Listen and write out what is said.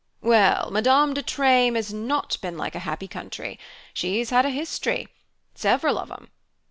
"Well, Madame de Treymes has not been like a happy country she's had a history: several of 'em.